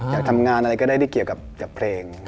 อยากทำงานอะไรก็ได้ที่เกี่ยวกับเพลง